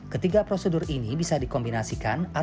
ketiga prosedur ini bisa dikombinasikan